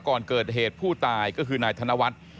ก่อนเกิดเหตุผู้ตายก็คือนายธนวัฒน์